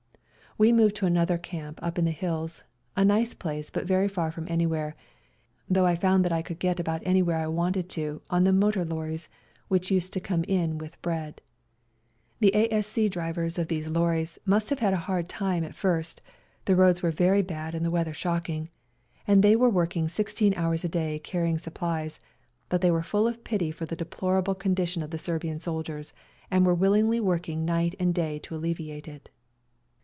We moved to another camp up in the hills, a nice place, but very far from anywhere, though I found that I could get about anywhere I wanted to on the motor lorries which used to come in with bread. The A.S.C. drivers of these lorries must have had a hard time at first ; the roads were very bad and the weather shocking, and they were working sixteen hours a day carrying supplies, but they were full of pity for the deplorable con dition of the Serbian soldiers, and were willingly working night and day to alleviate it.